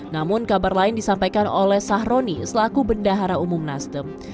namun kabar lain disampaikan oleh sahroni selaku bendahara umum nasdem